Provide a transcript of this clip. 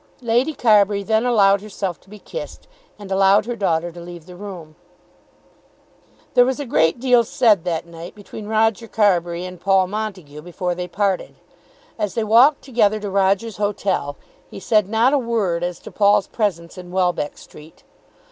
Lady Carbury then allowed herself to be kissed, and allowed her daughter to leave the room. [Illustration: Lady Carbury allowed herself to be kissed.] There was a great deal said that night between Roger Carbury and Paul Montague before they parted. As they walked together to Roger's hotel he said not a word as to Paul's presence in Welbeck Street.